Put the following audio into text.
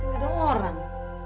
kok ada orang